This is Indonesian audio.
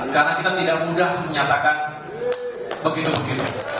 karena kita tidak mudah menyatakan begitu begitu